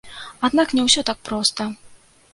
Аднак не ўсё так проста!